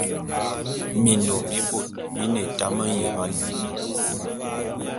Minnom mibot mine etam enyeman.